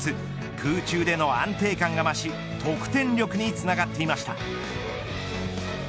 空中での安定感が増し得点力につながっていました。